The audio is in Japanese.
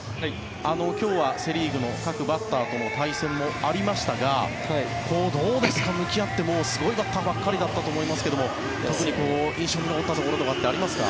今日はセ・リーグの各バッターとの対戦もありましたがどうですか、向き合ってすごいバッターばかりだったと思うんですが特に印象に残ったところとかありましたか？